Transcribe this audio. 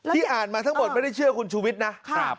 อ่านมาทั้งหมดไม่ได้เชื่อคุณชูวิทย์นะ